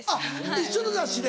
一緒の雑誌で？